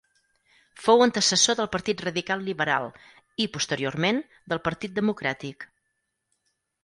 Fou antecessor del Partit Radical Liberal, i posteriorment, del Partit Democràtic.